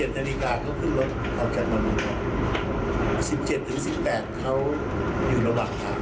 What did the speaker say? ๑๗นาฬิกาเขาขึ้นรถเขาจัดมันก่อน๑๗๑๘เขาอยู่ระหว่างต่าง